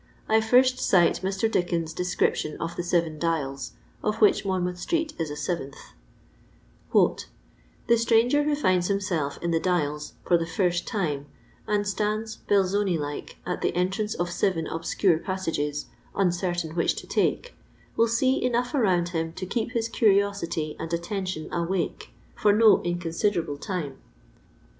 I first dte Mr. Dickens' description of the Seven Dials, of which Monmouth atreet ia a aeventh :— "The atranger who finds himself in 'The Dials' for the first time, and stands, Belsoni like, at the entrance of seven obscure passages, uncertain which to take, will see enough around him to keep his curiosity and attention awake for no inconsiderable time.